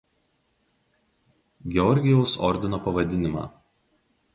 Georgijaus ordino pavadinimą.